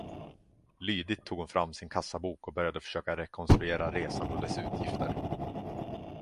Lydigt tog hon fram sin kassabok och började försöka rekonstruera resan och dess utgifter.